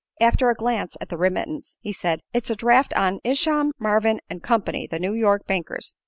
After a glance at the remittance he said: "It's a draft on Isham, Marvin & Company, the New York bankers.